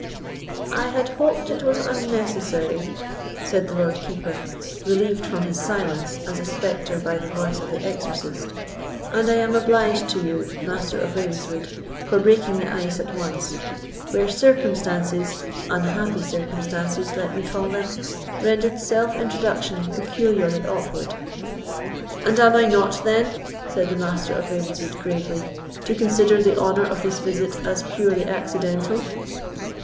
"I had hoped it was unnecessary," said the Lord Keeper, relieved from his silence, as a spectre by the voice of the exorcist, "and I am obliged to you, Master of Ravenswood, for breaking the ice at once, where circumstances—unhappy circumstances, let me call them—rendered self introduction peculiarly awkward." "And I am not then," said the Master of Ravenswood, gravely, "to consider the honour of this visit as purely accidental?"